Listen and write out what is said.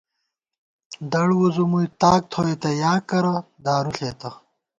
دڑوُځُمُوئی ، تاک تھوئیتہ یا کرہ دارُو ݪېتہ